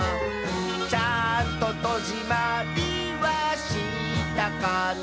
「ちゃんととじまりはしたかな」